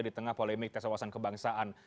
di tengah polemik tesebaran kebangsaan